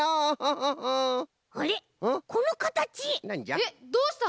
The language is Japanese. えっどうしたの？